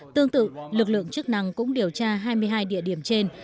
tương tự lực lượng chức năng cũng điều tra hai mươi hai địa điểm trên